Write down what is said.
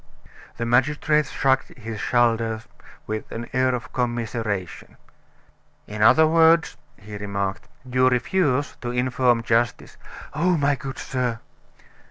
The magistrate shrugged his shoulders with an air of commiseration. "In other words," he remarked, "you refuse to inform justice " "Oh, my good sir!"